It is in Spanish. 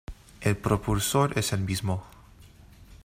El propulsor es el mismo.